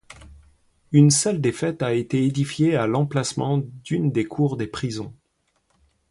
Une salle des fêtes a été édifiée à l'emplacement d'une des cours des prisons.